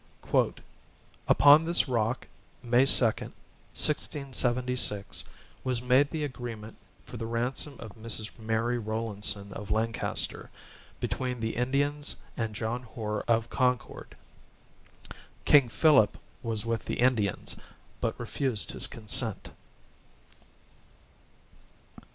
"Upon this rock, May 2d, 1676, was made the agreement for the ransom of Mrs. Mary Rowlandson of Lancaster, between the Indians and John Hoar of Concord. "King Philip was with the Indians, but refused his consent."